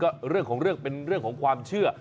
ก็เรื่องของเรื่องเป็นเรื่องของความเชื่อ